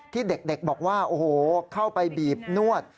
ที่เด็กบอกว่าโอ้โหเข้าไปบีบนวด